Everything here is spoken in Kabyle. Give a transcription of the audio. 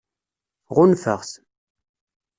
Ɣunfaɣ-t.